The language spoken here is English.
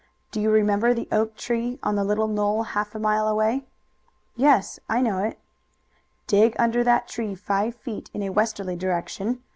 Do you remember the oak tree on the little knoll half a mile away?" "Yes, I know it." "Dig under that tree five feet in a westerly direction.